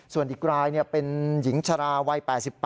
ส่วนอีกรายเป็นหญิงชราวัย๘๘